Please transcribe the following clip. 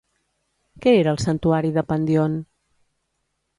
Què era el Santuari de Pandion?